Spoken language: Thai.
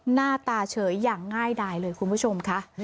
หน้าตาเฉยอย่างง่ายดายเลยคุณผู้ชมค่ะ